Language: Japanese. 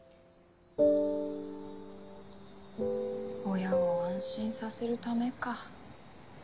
親を安心させるためか。